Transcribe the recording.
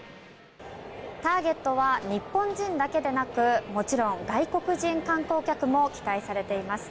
ターゲットは日本人だけでなくもちろん外国人観光客も期待されています。